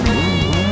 pak aku mau ke sana